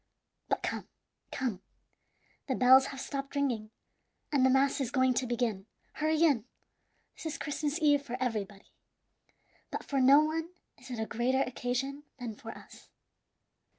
"But come, come, the bells have stopped ringing, and the mass is going to begin. Hurry in. This is Christmas Eve for everybody, but for no one is it a greater occasion than for us."